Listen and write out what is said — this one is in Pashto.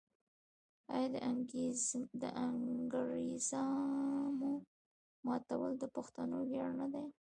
آیا د انګریزامو ماتول د پښتنو ویاړ نه دی؟